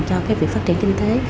cho cái việc phát triển kinh tế